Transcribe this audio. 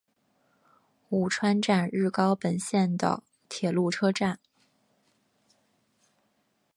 鹉川站日高本线的铁路车站。